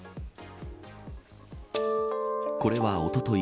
これは、おととい